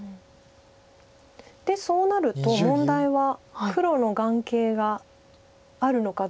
でそうなると問題は黒の眼形があるのかどうか。